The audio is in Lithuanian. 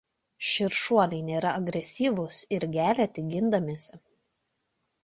Širšuolai nėra agresyvūs ir gelia tik gindamiesi.